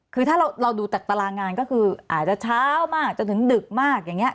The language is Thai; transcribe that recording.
คือถ้าเราดูจากตารางงานก็คืออาจจะเช้ามากจนถึงดึกมากอย่างนี้